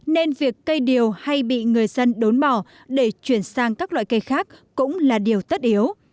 nên việc cây điều hay bị người dân đốn bỏ để chuyển sang các loại cây khác cũng là điều tất yếu